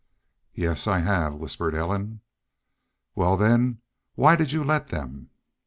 "Yes I have," whispered Ellen. "Wal, then, why did you let them?